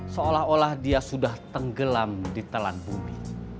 seolah olah dia sudah tenggelam di telan bumi